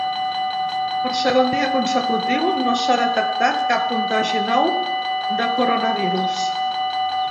Per segon dia consecutiu, no s’ha detectat cap contagi nou de coronavirus.